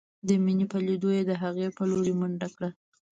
د مينې په ليدو يې د هغې په لورې منډه کړه.